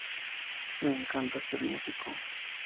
Me encanta ser músico.